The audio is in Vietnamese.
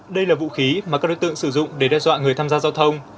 đây là vũ khí mà các đối tượng sử dụng để đe dọa người tham gia giao thông